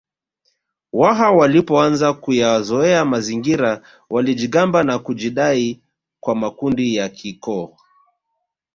Waha walipoanza kuyazoea mazingira walijigamba na kujidai kwa makundi ya kikoo